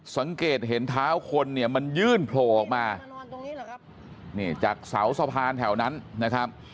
สังเกตเห็นเท้าคนเนี่ยมันยื่นโผล่ออกมานี่จากเสาสะพานแถวนั้นนะครับ